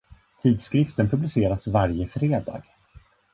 Tidskriften publiceras varje fredag.